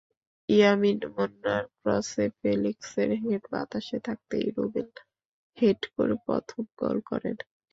ইয়ামিন মুন্নার ক্রসে ফেলিক্সের হেড বাতাসে থাকতেই রুবেল হেড করে প্রথম গোল করেন।